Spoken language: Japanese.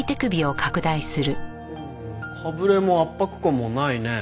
かぶれも圧迫痕もないね。